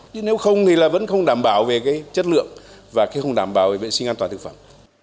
chứ nếu không thì là vẫn không đảm bảo về cái chất lượng và cái không đảm bảo về vệ sinh an toàn thực phẩm